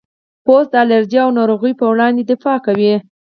پوست د الرجي او ناروغیو پر وړاندې دفاع کوي.